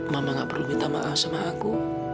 mama gak perlu minta maaf sama aku